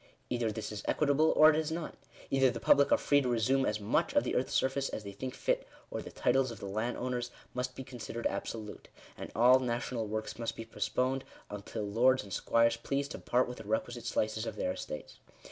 Either this is equitable, or it is not. Either the public are free to resume as much of the earth's surface as they think fit, or the titles of the landowners must be considered absolute, and all national works must be postponed until lords and squires please to part with the re quisite slices of their estates.